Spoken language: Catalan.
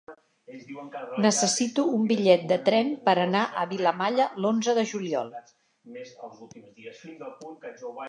Necessito un bitllet de tren per anar a Vilamalla l'onze de juliol.